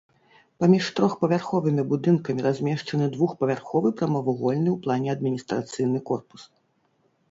Паміж трохпавярховымі будынкамі размешчаны двухпавярховы прамавугольны ў плане адміністрацыйны корпус.